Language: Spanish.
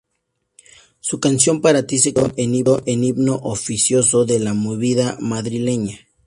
Su canción "Para ti" se convirtió en himno oficioso de la movida madrileña.